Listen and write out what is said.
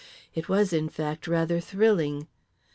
It was, in fact, rather thrilling.